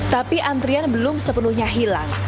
tapi antrian belum sepenuhnya hilang